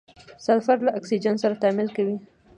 سلفر له اکسیجن سره تعامل کوي.